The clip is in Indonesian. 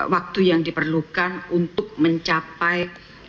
waktu yang diperlukan untuk mencapai